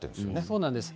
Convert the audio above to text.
そうなんです。